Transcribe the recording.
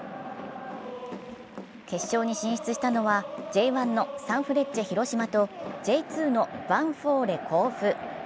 決勝に進出したのはＪ１のサンフレッチェ広島とＪ２のヴァンフォーレ甲府。